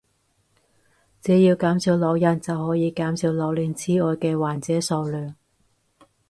只要減少老人就可以減少老年癡呆嘅患者數量